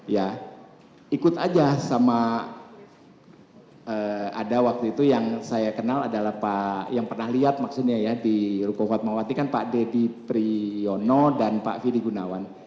ya ikut aja sama ada waktu itu yang saya kenal adalah pak yang pernah lihat maksudnya ya di ruko fatmawati kan pak deddy priyono dan pak firly gunawan